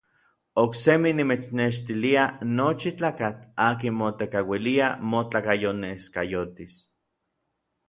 Oksemi nimechnextilia nochi tlakatl akin motekauilia motlakayoneskayotis.